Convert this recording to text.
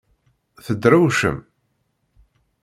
Tedrewcem?